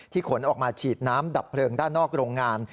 ขนออกมาฉีดน้ำดับเพลิงด้านนอกโรงงาน